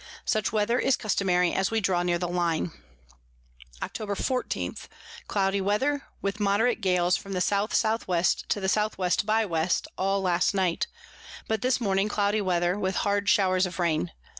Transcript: Such Weather is customary as we draw near the Line. Octob. 14. Cloudy Weather, with moderate Gales from the S S W. to the S W. by W. all last night; but this morning cloudy Weather, with hard Showers of Rain.